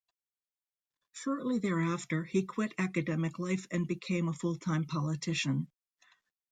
Shortly thereafter, he quit academic life and became a full-time politician.